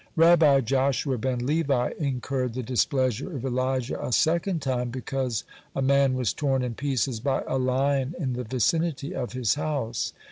(68) Rabbi Joshua ben Levi incurred the displeasure of Elijah a second time, because a man was torn in pieces by a lion in the vicinity of his house.